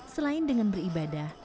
selain dengan beribadah